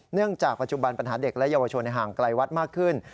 เนื่องจากปัจจุบันปัญหาเด็กและเยาวชนห่างไกลวัดมากขึ้น